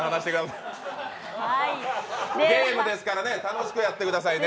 ゲームですからね、楽しくやってくださいね。